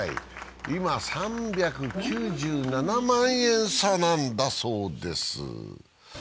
今、３９７万円差なんだそうです。